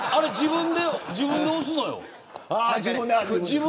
自分で押すのよ。